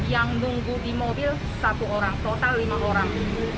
yang nunggu di mobil satu orang total lima orang